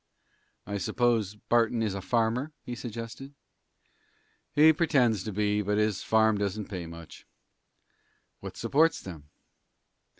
"I suppose Barton is a farmer?" he suggested. "He pretends to be, but his farm doesn't pay much." "What supports them?"